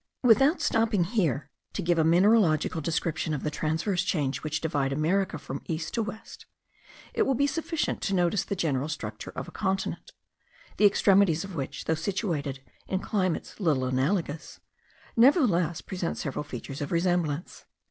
Without stopping here to give a mineralogical description of the transverse chains which divide America from east to west, it will be sufficient to notice the general structure of a continent, the extremities of which, though situated in climates little analogous, nevertheless present several features of resemblance.